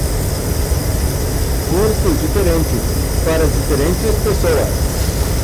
Cursos diferentes para diferentes pessoas.